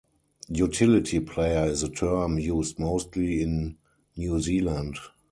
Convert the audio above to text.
Utility player is a term used mostly in New Zealand.